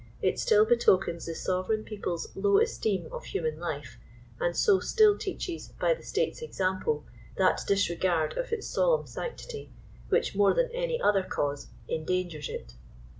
It still betokens the sovereign people's low esteem of human life, and so still teaches, by the state's example, that disregard' of its solemn sanctity, which, more than any other cause, endangers it.